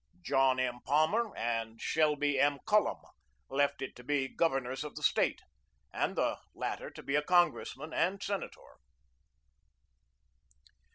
John M. Palmer and Shelby M. Cullom left it to be Governors of the State, and the latter to be a Congressman and Senator.